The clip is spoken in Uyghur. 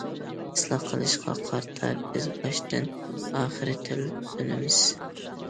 ئىسلاھ قىلىشقا قارىتا، بىز باشتىن- ئاخىر تەلپۈنىمىز.